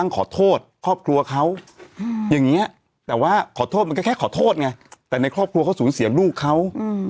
ขอโทษมันก็แค่ขอโทษไงแต่ในครอบครัวเขาสูญเสียลูกเขาอืม